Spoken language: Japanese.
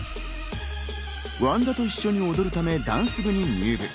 湾田と一緒に踊るため、ダンス部に入部。